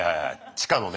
地下のね。